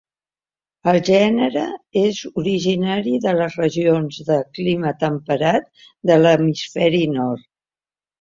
El gènere és originari de les regions de clima temperat de l'hemisferi Nord.